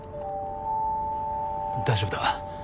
大丈夫だ。